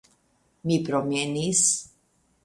Mi promenis.